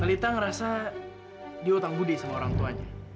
talita ngerasa dia utang budi sama orang tuanya